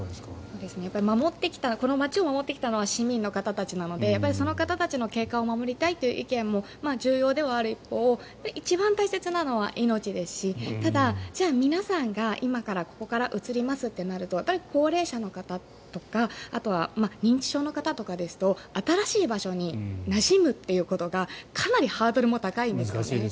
この街を守ってきたのは市民の方たちなのでその方たちの景観を守りたいというのも重要ではある一方一番大切なのは命ですしただ、じゃあ皆さんが今からここから移りますってなると高齢者の方とかあとは認知症の方とかですと新しい場所になじむということがかなりハードルも高いんですよね。